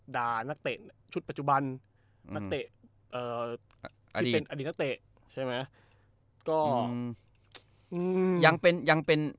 ด่านักเตะชุดปัจจุบันที่เป็นอดีตนักเตะ